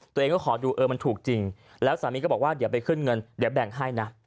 ตัวเองก็ขอดูเออมันถูกจริงแล้วสามีก็บอกว่าเดี๋ยวไปขึ้นเงินเดี๋ยวแบ่งให้นะ